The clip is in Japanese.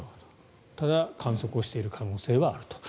ただ、観測をしている可能性はあると。